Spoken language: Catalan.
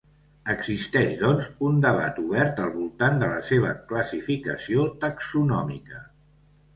Existeix, doncs, un debat obert al voltant de la seva classificació taxonòmica.